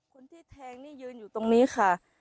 คนที่แทงนี่ยืนอยู่ตรงนี้ค่ะ